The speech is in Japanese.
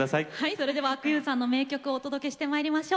それでは阿久悠さんの名曲お届けしてまいりましょう。